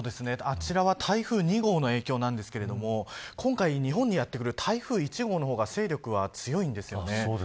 あちらは台風２号の影響なんですが今回日本にやってくる台風１号の方が勢力は強いんですよね。